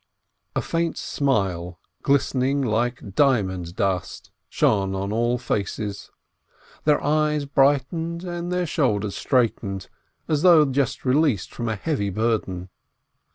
A faint smile, glistening like diamond dust, shone on all faces; their eyes brightened and their shoulders straightened, as though just released from a heavy bur den.